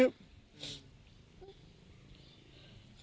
ขอโทษครับ